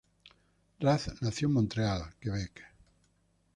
Rath nació en Montreal, Quebec.